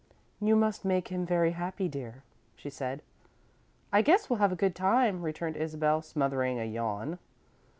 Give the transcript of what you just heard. "You must make him very happy, dear," she said. "I guess we'll have a good time," returned Isabel, smothering a yawn.